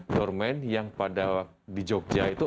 dorman yang pada di jogja itu